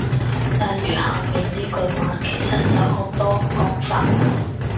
例如下面呢句話其實有好多講法